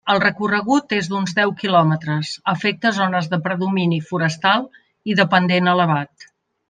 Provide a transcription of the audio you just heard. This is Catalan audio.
El recorregut és d'uns deu quilòmetres, afecta zones de predomini forestal i de pendent elevat.